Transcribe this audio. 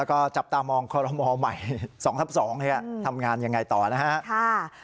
แล้วก็จับตามองคอรมอลใหม่๒ทับ๒ทำงานยังไงต่อนะฮะ